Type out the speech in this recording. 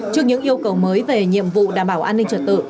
trước những yêu cầu mới về nhiệm vụ đảm bảo an ninh trật tự